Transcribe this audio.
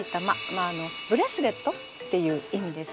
まああのブレスレットっていう意味です。